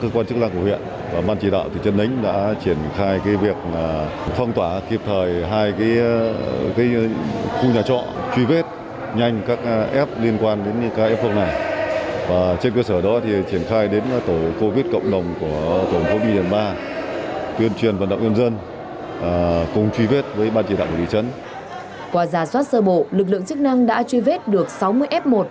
qua giả soát sơ bộ lực lượng chức năng đã truy vết được sáu mươi f một